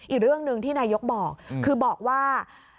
อีกเรื่องหนึ่งที่นายกบอกคือบอกว่า